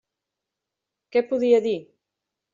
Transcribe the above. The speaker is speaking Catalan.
Què podia dir?